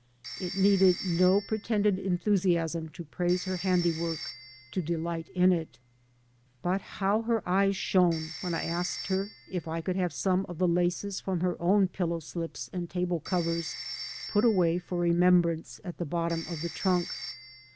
It needed no pretended enthusiasm to praise her handi work, to delight in it. But how her eyes shone when I asked her if I could have some of the laccs from her own pillow slips and table covers put away for remembrance at the bottom of the trunk.